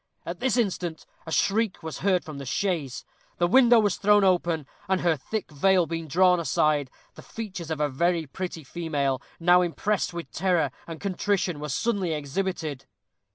At this instant a shriek was heard from the chaise: the window was thrown open, and her thick veil being drawn aside, the features of a very pretty female, now impressed with terror and contrition, were suddenly exhibited.